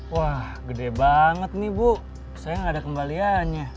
wah gede banget nih bu saya nggak ada kembaliannya